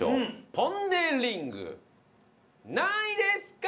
ポン・デ・リング何位ですか？